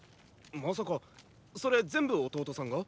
まさかそれ全部弟さんが？